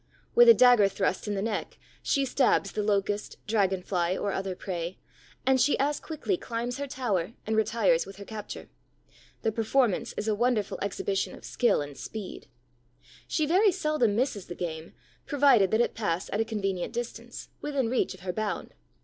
With a dagger thrust in the neck, she stabs the Locust, Dragon fly, or other prey; and she as quickly climbs her tower and retires with her capture. The performance is a wonderful exhibition of skill and speed. She very seldom misses the game, provided that it pass at a convenient distance, within reach of her bound.